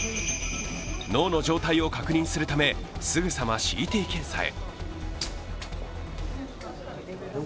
脳の状態を確認するため、すぐさまＣＴ検査へ。